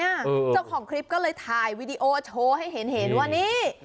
เจ้าของคลิปก็เลยถ่ายวีดีโอโชว์ให้เห็นเห็นว่านี่